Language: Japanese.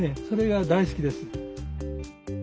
それが大好きです。